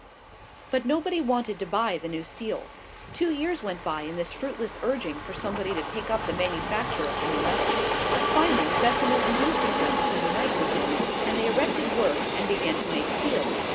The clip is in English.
But nobody wanted to buy the new steel. Two years went by in this fruitless urging for somebody to take up the manufacture of the new metal. Finally, Bessemer induced a friend to unite with him, and they erected works, and began to make steel.